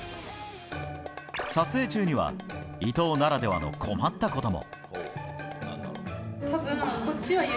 撮影中には伊藤ならではの困ったことも。